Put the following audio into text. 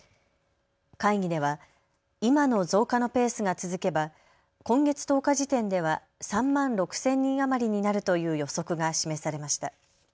会議では今の増加のペースが続けば今月１０日時点では３万６０００人余りになるという予測が示されました。